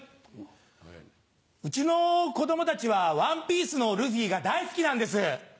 うちの子供たちは『ＯＮＥＰＩＥＣＥ』のルフィが大好きなんです。